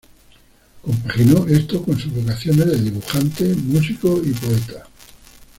Compaginó esto con sus vocaciones de dibujante, músico y poeta.